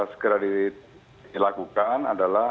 segera dilakukan adalah